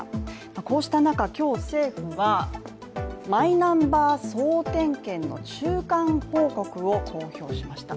こうした中、今日、政府はマイナンバー総点検の中間報告を公表しました